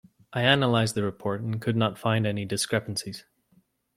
I analyzed the report and could not find any discrepancies.